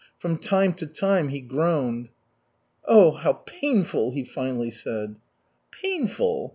From time to time he groaned. "Oh, how painful!" he finally said. "Painful?